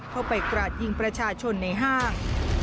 เข้าไปกราดยิงประชาชนในห้าง